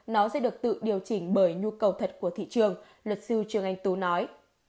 nó sẽ được tự điều chỉnh bởi nhu cầu thật của thị trường luật sư trương anh tú nói